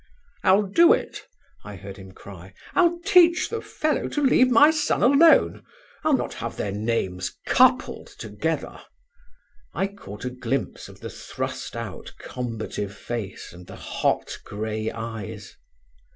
"I'll do it," I heard him cry, "I'll teach the fellow to leave my son alone. I'll not have their names coupled together." I caught a glimpse of the thrust out combative face and the hot grey eyes.